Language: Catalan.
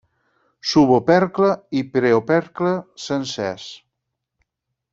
Subopercle i preopercle sencers.